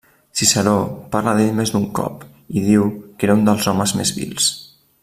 Ciceró parla d'ell més d’un cop i diu que era un dels homes més vils.